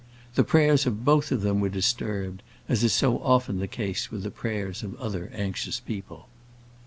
The prayers of both of them were disturbed, as is so often the case with the prayers of other anxious people.